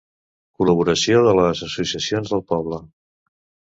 Col·laboració de les associacions del poble.